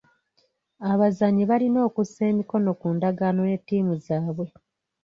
Abazannyi balina okussa emikono ku ndagaano ne ttiimu zaabwe.